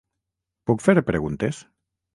Puc fer preguntes?